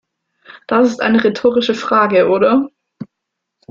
Das ist eine rhetorische Frage, oder?